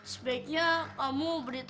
sebaiknya kamu berhenti